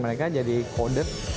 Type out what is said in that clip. mereka jadi coder